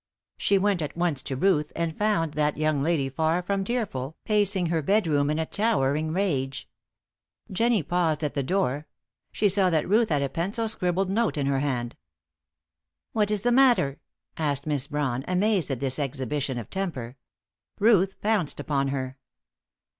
She went at once to Ruth, and found that young lady far from tearful, pacing her bedroom in a towering rage. Jennie paused at the door; she saw that Ruth had a pencil scribbled note in her hand. "What is the matter?" asked Miss Brawn, amazed at this exhibition of temper. Ruth pounced upon her.